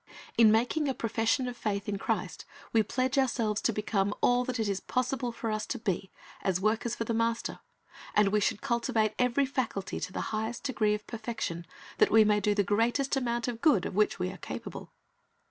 In making a profession of faith in Christ we pledge ourselves to become all that it is possible for us to be as workers for the Master, and we should cultivate every faculty to the highest degree of perfection, that we may do the greatest amount of good of which we are capable.